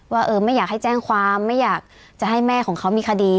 ว่าเออไม่อยากให้แจ้งความไม่อยากจะให้แม่ของเขามีคดี